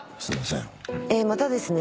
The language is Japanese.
またですね